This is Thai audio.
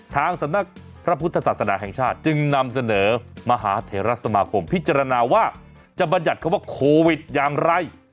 ทางสำนักพระพุทธศาสนาแห่งชาติจึงนำเสนอมหาเทรสมาคมพิจารณาว่าจะบรรยัติคำว่าโควิดอย่างไร